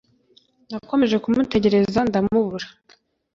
Nakomeje kumutegereza ndamubura